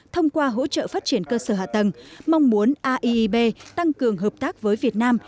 thông qua hỗ trợ phát triển cơ sở hạ tầng mong muốn aib tăng cường hợp tác với việt nam